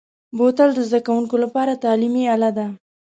بوتل د زده کوونکو لپاره تعلیمي اله ده.